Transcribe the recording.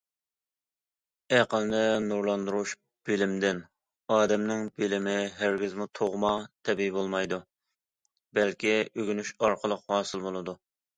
ئەقىلنى نۇرلاندۇرۇش بىلىمدىن، ئادەمنىڭ بىلىمى ھەرگىزمۇ تۇغما، تەبىئىي بولمايدۇ، بەلكى ئۆگىنىش ئارقىلىق ھاسىل بولىدۇ.